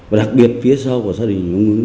và đặc biệt phía sau của gia đình